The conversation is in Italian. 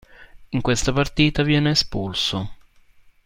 In questa partita viene espulso.